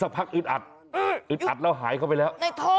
สักพักอึดอัดอึดอัดแล้วหายเข้าไปแล้ว